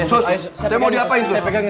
sus saya mau diapain sus